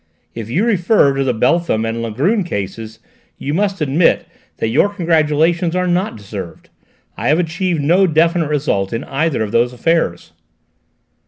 "If you refer to the Beltham and Langrune cases, you must admit that your congratulations are not deserved. I have achieved no definite result in either of those affairs."